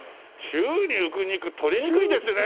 宙に浮く肉取りにくいですね。